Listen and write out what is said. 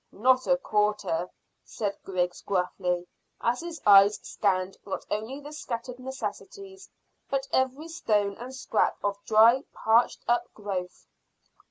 "Not a quarter," said Griggs gruffly, as his eyes scanned not only the scattered necessities, but every stone and scrap of dry, parched up growth.